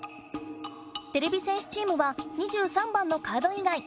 てれび戦士チームは２３番のカードいがい